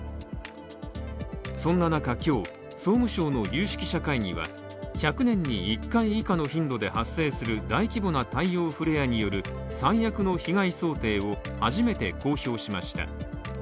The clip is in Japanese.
そんな中、今日、総務省の有識者会議は、１００年に１回以下の頻度で発生する大規模な太陽フレアによる三役の被害想定を初めて公表しました。